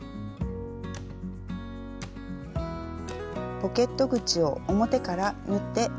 ポケット口を表から縫っておきます。